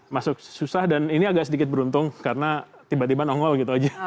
masuk susah dan ini agak sedikit beruntung karena tiba tiba nongol gitu aja